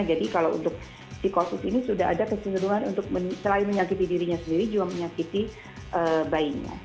jadi kalau untuk psikosis ini sudah ada keseluruhan untuk selain menyakiti dirinya sendiri juga menyakiti bayinya